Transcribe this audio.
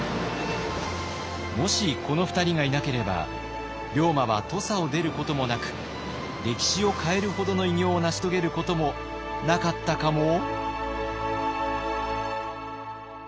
もしこの２人がいなければ龍馬は土佐を出ることもなく歴史を変えるほどの偉業を成し遂げることもなかったかも？